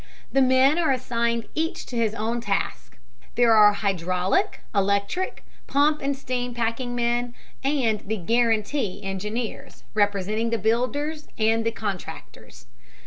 The men are assigned each to his own task. There are hydraulic, electric, pump and steam packing men, and the "guarantee" engineers, representing the builders and the contractors.